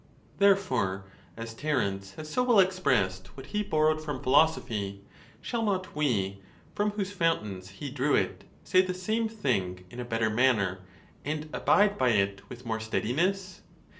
Therefore, as Terence has so well expressed what he borrowed from philosophy, shall not we, from whose fountains he drew it, say the same thing in a better man ner, and abide by it with more steadiness?